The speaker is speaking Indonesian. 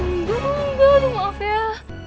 nggak nggak maaf ya